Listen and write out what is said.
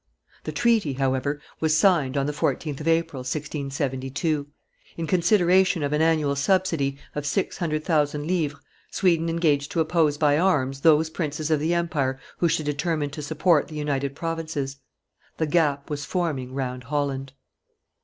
The treaty, however, was signed on the 14th of April, 1672; in consideration of an annual subsidy of six hundred thousand livres Sweden engaged to oppose by arms those princes of the empire who should determine to support the United Provinces. The gap was forming round Holland.